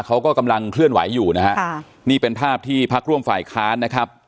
เขาก็กำลังเคลื่อนไหวอยู่นะฮะค่ะนี่เป็นภาพที่พักร่วมฝ่ายค้านนะครับ